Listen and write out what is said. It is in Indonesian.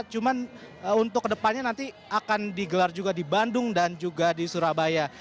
cuma untuk kedepannya nanti akan digelar juga di bandung dan juga di surabaya